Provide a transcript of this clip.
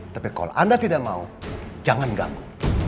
tapi kalau anda tidak mau jangan ganggu